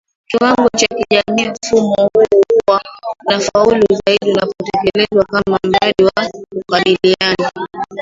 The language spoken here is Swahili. kiwango cha kijamii Mfumo huu huwa unafaulu zaidi unapotekelezwa kama mradi wa kukabiliana